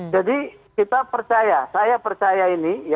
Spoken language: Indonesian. jadi kita percaya saya percaya ini ya